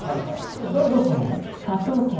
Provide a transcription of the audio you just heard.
誰だったの？